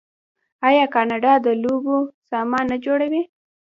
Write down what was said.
آیا کاناډا د لوبو سامان نه جوړوي؟